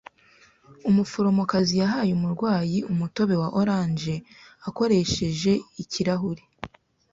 Umuforomokazi yahaye umurwayi umutobe wa orange akoresheje ikirahure.